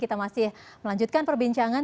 kita masih melanjutkan perbincangan